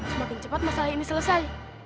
semakin cepat masalah ini selesai